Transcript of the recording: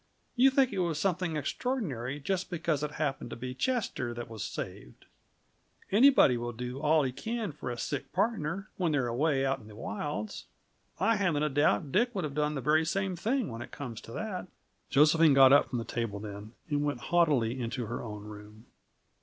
You think it was something extraordinary, just because it happened to be Chester that was saved. Anybody will do all he can for a sick partner, when they're away out in the wilds. I haven't a doubt Dick would have done the very same thing, when it comes to that." Josephine got up from the table then, and went haughtily into her own room.